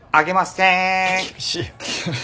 手厳しい。